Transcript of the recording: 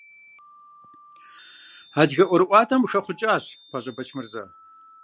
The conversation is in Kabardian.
Адыгэ ӀуэрыӀуатэм къыхэхъукӀащ ПащӀэ Бэчмырзэ.